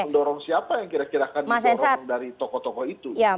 mendorong siapa yang kira kira akan didorong dari tokoh tokoh itu